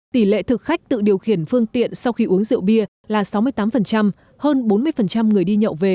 tỷ lệ thực khách tự điều khiển phương tiện sau khi uống rượu bia là sáu mươi tám hơn bốn mươi người đi nhậu về